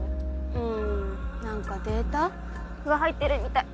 うん何かデータが入ってるみたい。